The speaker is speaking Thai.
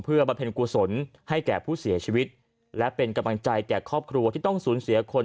เพื่อบำเพ็ญกุศลให้แก่ผู้เสียชีวิตและเป็นกำลังใจแก่ครอบครัวที่ต้องสูญเสียคน